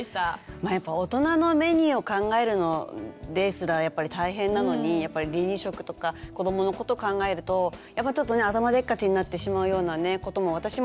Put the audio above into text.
まあやっぱ大人のメニューを考えるのですらやっぱり大変なのにやっぱり離乳食とか子どものこと考えるとやっぱちょっとね頭でっかちになってしまうようなことも私もありましたけど。